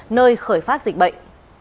nơi khởi phát dịch bệnh